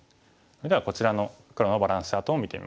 それではこちらの黒のバランスチャートを見てみましょう。